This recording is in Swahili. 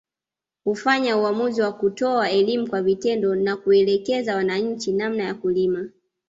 Hufanya uamuzi wa kutoa elimu kwa vitendo na kuelekeza wananchi namna ya kulima